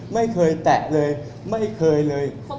ไม่เคยแตะเลยไม่เคยเลย